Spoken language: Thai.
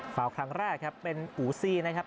ฟาวครั้งแรกครับเป็นอูซี่นะครับ